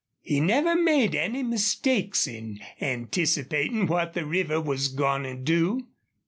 He never made any mistakes in anticipating what the river was going to do.